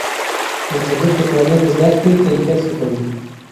انټرنیټ د کورنۍ د زده کړې کیفیت ښه کوي.